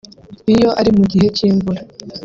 iyo ari mu gihe cy’imvura